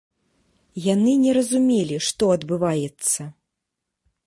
Яны не разумелі, што адбываецца.